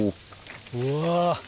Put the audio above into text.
うわ！